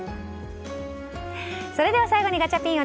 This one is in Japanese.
それでは最後にガチャピン